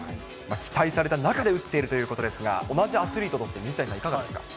期待された中で打っているということですが、同じアスリートとして水谷さん、いかがですか。